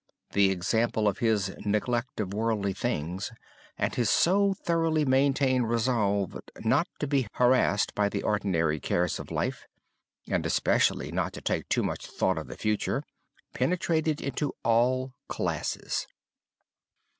The example of his neglect of worldly things and of his so thoroughly maintained resolve not to be harassed by the ordinary cares of life, and especially not to take too much thought of the future, penetrated into all classes.